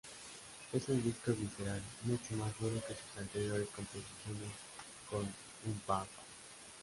Es un disco visceral mucho más duro que sus anteriores composiciones con Umpah-pah.